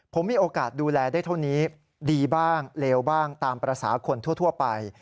ผมมีโอกาสดูแลได้เท่านี้ดีบ้างเลวบ้างตามภาษาคนทั่วไป